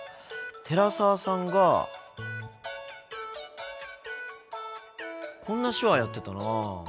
寺澤さんがこんな手話やってたな。